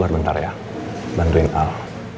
gak ada berantem berantem lagi kak